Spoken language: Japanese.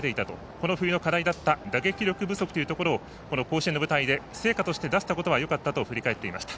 この冬の課題だった打撃力不足というところを甲子園の舞台で成果として出せたことはよかったと振り返っていました。